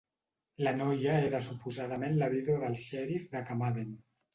La noia era suposadament la vídua del xerif de Carmarthen.